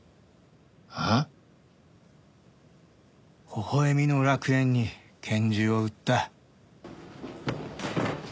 微笑みの楽園に拳銃を売った。